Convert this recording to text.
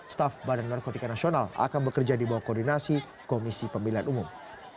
staff bnn akan bekerja di bawah koordinasi komisi pemilihan umum